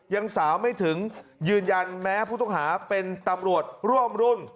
ยังสาวไม่ถึงยืนยันแม้ผู้ต้องหาเป็นตำรวจร่วมรุ่น